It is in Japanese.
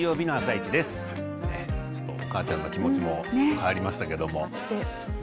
ちょっとお母ちゃんの気持ちも変わりましたけれども。